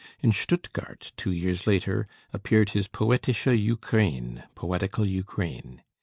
In Stuttgart, two years later, appeared his 'Poetische Ukraine' (Poetical Ukraine).